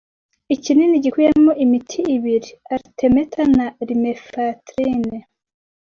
ikinini gikubiyemo imiti ibiri artemether na lumefantrine